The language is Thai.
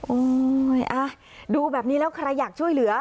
ดูแบบนี้แล้วใครอยากช่วยเหลือ